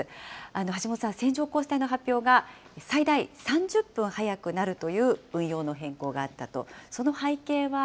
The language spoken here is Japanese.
橋本さん、線状降水帯の発表が、最大３０分早くなるという運用の変更があったと。